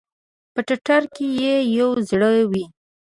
په ټټر کې ئې یو زړه وی